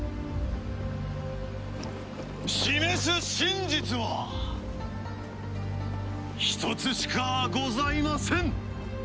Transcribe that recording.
示す真実は１つしかございません！